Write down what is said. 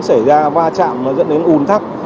xảy ra va chạm dẫn đến ủn tắc